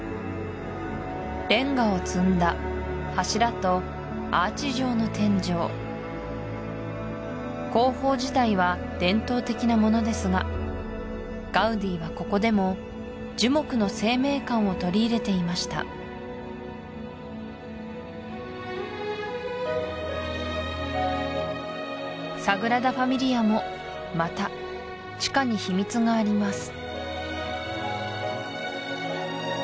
レンガを積んだ柱とアーチ状の天井工法自体は伝統的なものですがガウディはここでも樹木の生命感を取り入れていましたサグラダ・ファミリアもまた地下に秘密があります